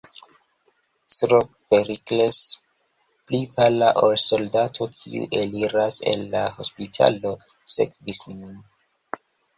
S-ro Perikles, pli pala ol soldato, kiu eliras el la hospitalo, sekvis nin.